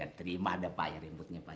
ya terima dah pak ya rambutnya pak ya